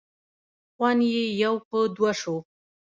خوند یې یو په دوه شو.